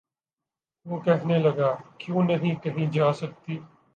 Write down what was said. وہ کہنے لگا:کیوں نہیں کہی جا سکتی؟